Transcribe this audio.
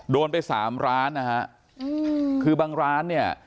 โดนไปสามร้านนะฮะคือบางร้านเนี่ย